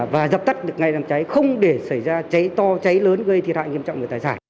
và dập tắt được ngay đám cháy không để xảy ra cháy to cháy lớn gây thiệt hại nghiêm trọng về tài sản